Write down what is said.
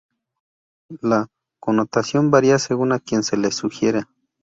La connotación varía según a quien se le sugiera.